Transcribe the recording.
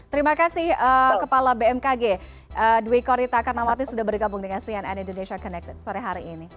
terima kasih kepala bmkg dwi korita karnawati sudah bergabung dengan cnn indonesia connected sore hari ini